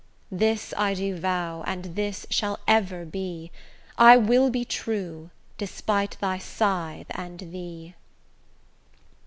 This I do vow and this shall ever be; I will be true despite thy scythe and thee.